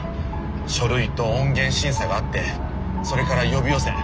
書類と音源審査があってそれから予備予選。